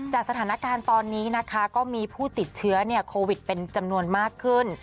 สถานการณ์ตอนนี้นะคะก็มีผู้ติดเชื้อโควิดเป็นจำนวนมากขึ้น